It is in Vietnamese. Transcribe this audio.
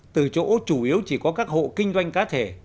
từ chỗ chủ yếu chỉ có các hộ kinh doanh cá thể